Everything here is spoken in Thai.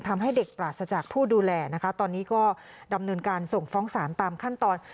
ทำให้เด็กปราศจากผู้ดูแลนะคะตอนนี้ก็ดำเนินการส่งฟ้องสารตามขั้นตอน